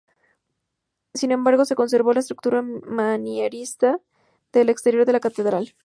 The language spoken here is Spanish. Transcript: Sin embargo se conservó la estructura manierista del exterior de la catedral.